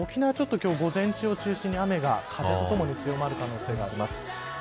午前中を中心に雨、風ともに強まる可能性があります。